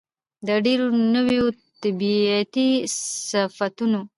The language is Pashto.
د ډېرو نوو طبيعتي صفتونو